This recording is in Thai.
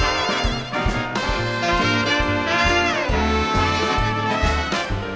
สวัสดีครับสวัสดีครับ